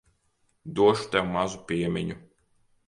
Došu tev mazu piemiņu.